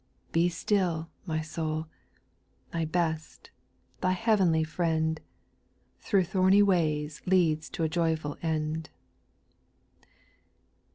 Be still, my soul I thy best, thy heavenly Friend, Thro' thorny ways leads to a joyful end.